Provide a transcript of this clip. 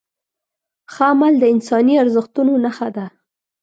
ښه عمل د انساني ارزښتونو نښه ده.